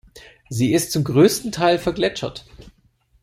Sie ist zum größten Teil vergletschert.